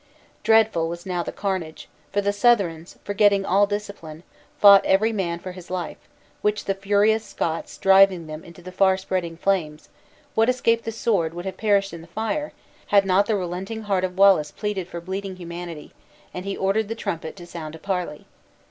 Dreadful was now the carnage; for the Southrons, forgetting all discipline, fought every man for his life; which the furious Scots driving them into the far spreading flames, what escaped the sword would have perished in the fire, had not the relenting heart of Wallace pleaded for bleeding humanity, and he ordered the trumpet to sound a parley.